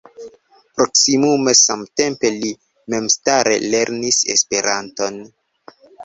Proksimume samtempe li memstare lernis Esperanton.